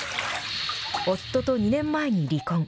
夫と２年前に離婚。